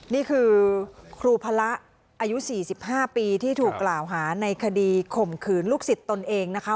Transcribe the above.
นี่คือครูพระอายุ๔๕ปีที่ถูกกล่าวหาในคดีข่มขืนลูกศิษย์ตนเองนะคะ